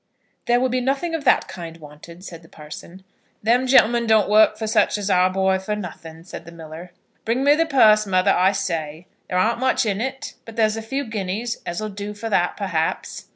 "There will be nothing of that kind wanted," said the parson. "Them gentlemen don't work for such as our boy for nothin'," said the miller. "Bring me the purse, mother, I say. There ar'n't much in it, but there's a few guineas as 'll do for that, perhaps.